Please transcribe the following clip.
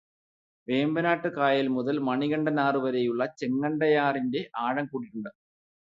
വേമ്പനാട്ട് കായല് മുതല് മണികണ്ഠനാറ് വരെയുള്ള ചെങ്ങണ്ടയാറിന്റെ ആഴം കൂട്ടിയിട്ടുണ്ട്.